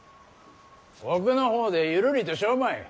奥の方でゆるりとしようまい。